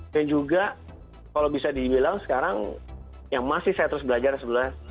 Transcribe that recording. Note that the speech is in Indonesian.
dan juga kalau bisa dibilang sekarang yang masih saya terus belajar adalah